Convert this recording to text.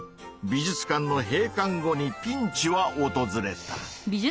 美術館の閉館後にピンチはおとずれた。